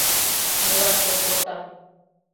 — Молан пелторта?